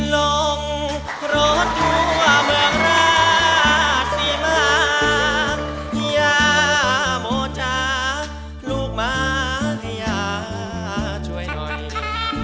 ลงรถทั่วเมืองราชสีมายาหมอจ๋าลูกม้ายาช่วยหน่อย